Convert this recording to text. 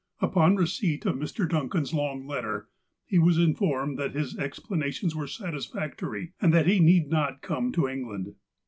Upon receipt of Mr. Duncan's long letter, he was informed that his explanations were satisfactory, and that he need not come to Eugiand.